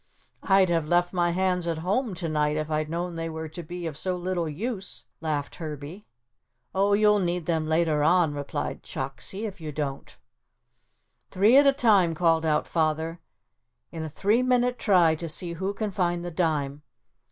"I'd have left my hands at home tonight, if I'd known they were to be of so little use," laughed Herbie. "Oh, you'll need them later on," replied Chuck, "see if you don't." "Three at a time," called out Father, "in a three minute try to see who can find the dime.